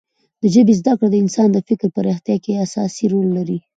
د ژبې زده کړه د انسان د فکر پراختیا کې اساسي رول لري.